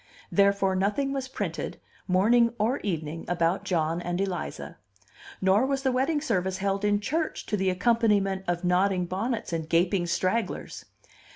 Therefore nothing was printed, morning or evening, about John and Eliza. Nor was the wedding service held in church to the accompaniment of nodding bonnets and gaping stragglers.